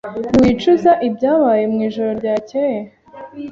Ntiwicuza ibyabaye mwijoro ryakeye?